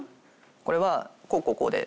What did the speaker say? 「これはこうこうこうでこう。